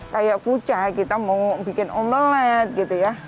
kayak kucai kita mau bikin omelet gitu ya